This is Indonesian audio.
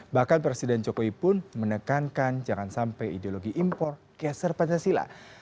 bahkan presiden jokowi pun menekankan jangan sampai ideologi impor geser pancasila